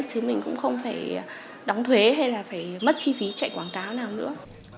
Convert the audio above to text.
chứ mình cũng không phải đóng thuế hay là phải mất chi phí chạy quảng cáo nào nữa